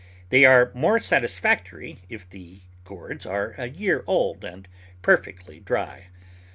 They are more satisfactory if the gourds are a year old and perfectly dry.